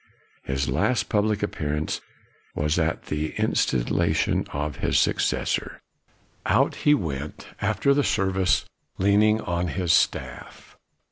His last public appearance was at the instal i 4 4 KNOX lation of his successor. Out he went, after the service, leaning on his staff.